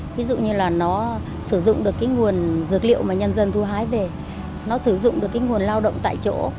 ví dụ như là nó sử dụng được cái nguồn dược liệu mà nhân dân thu hái về nó sử dụng được cái nguồn lao động tại chỗ